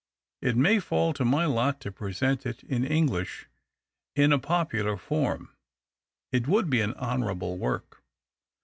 It may fall to my lot to present it in English — in a popular form. It would be an honourable work.